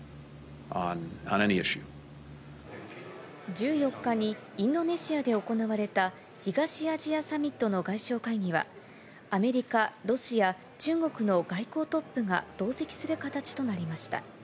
１４日にインドネシアで行われた、東アジアサミットの外相会議は、アメリカ、ロシア、中国の外交トップが同席する形となりました。